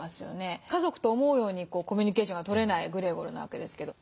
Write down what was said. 家族と思うようにコミュニケーションがとれないグレーゴルなわけですけど。